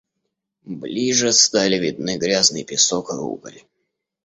Ближе стали видны грязный песок и уголь.